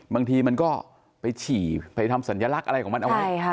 บางทีมันก็ไปฉี่ไปทำสัญลักษณ์อะไรของมันเอาไว้